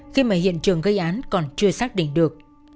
khi mà hiện trường gây án còn chưa xác định được